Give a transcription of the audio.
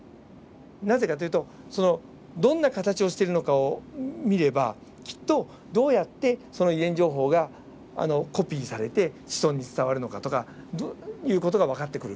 なぜかというとどんな形をしているのかを見ればきっとどうやってその遺伝情報がコピーされて子孫に伝わるのかとかいう事が分かってくる。